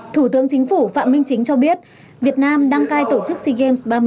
thủ tướng chính phủ phạm minh chính cho biết việt nam đăng cai tổ chức sea games ba mươi